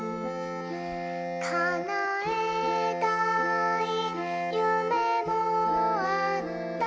「叶えたい夢もあった」